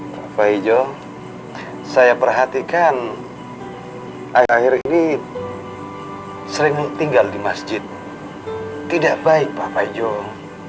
pak faizul saya perhatikan akhir akhir ini sering tinggal di masjid tidak baik pak faizul